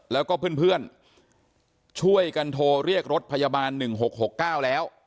แล้วก็เพื่อนช่วยกันโทรเรียกรถพยาบาล๑๖๖๙แล้ว